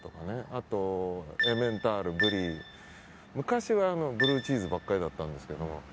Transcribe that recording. あと、エメンタール、ブリー昔はブルーチーズばっかりだったんですけど。